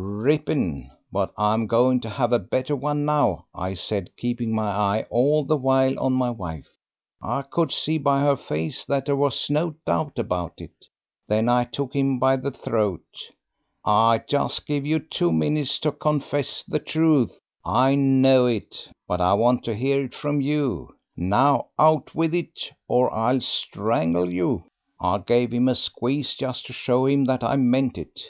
"'Rippin'; but I'm going to have a better one now,' I said, keeping my eye all the while on my wife. I could see by her face that there was no doubt about it. Then I took him by the throat. 'I just give you two minutes to confess the truth; I know it, but I want to hear it from you. Now, out with it, or I'll strangle you.' I gave him a squeeze just to show him that I meant it.